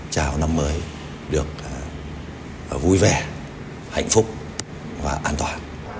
chào năm mới được vui vẻ hạnh phúc và an toàn